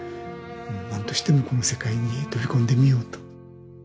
なんとしてもこの世界に飛び込んでみようと。